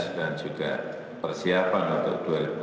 dan juga persiapan untuk dua ribu delapan belas